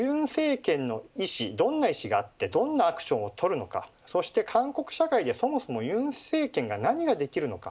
尹政権の意思、どんな意思があって、どんなアクションをとるのかそして韓国社会でそもそも尹政権が何ができるのか。